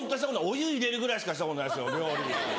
お湯入れるぐらいしかしたことないですよ料理。